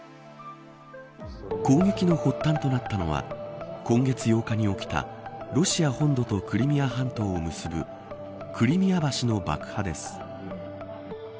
攻撃の発端となったのは今月８日に起きたロシア本土とクリミア半島を結ぶクリミア橋の爆破です。